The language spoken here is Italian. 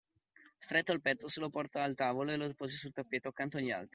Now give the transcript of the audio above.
Stretto al petto, se lo portò al tavolo e lo depose sul tappeto, accanto agli altri.